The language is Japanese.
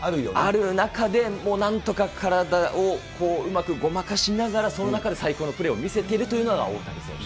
ある中で、もうなんとか体をうまくごまかしながら、その中で最高のプレーを見せているというのが、大谷選手。